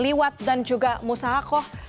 liwat dan juga musahakoh